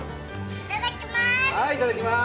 いただきます。